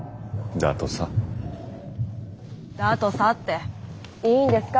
「だとさ」っていいんですか？